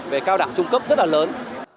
về cao đẳng trung cấp rất là lớn